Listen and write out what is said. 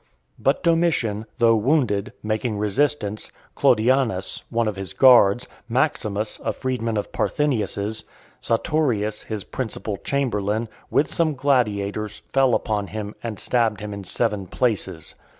But Domitian, though wounded, making resistance, Clodianus, one of his guards, Maximus, a freedman of Parthenius's, Saturius, his principal chamberlain, with some gladiators, fell upon him, and stabbed him in seven places.